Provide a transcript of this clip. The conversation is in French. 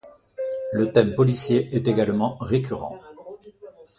Le thème policier est également récurrent.